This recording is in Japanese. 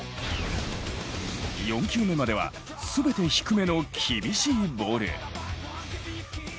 ４球目までは全て低めの厳しいボール。